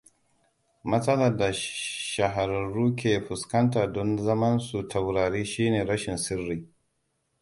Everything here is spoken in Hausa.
Matsalar da shahararru ke fuskanta don zaman su taurari shine rashin sirri.